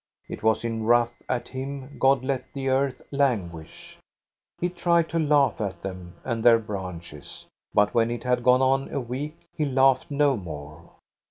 It was in wrath at him God let the earth languish. He tried to laugh at them and their branches ; but when it had gone on a week, he laughed no more.